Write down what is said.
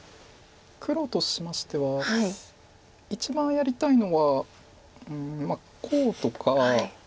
黒としましては一番やりたいのはこうとか。